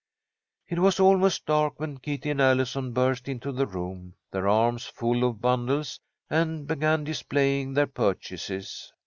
It was almost dark when Kitty and Allison burst into the room, their arms full of bundles, and began displaying their purchases.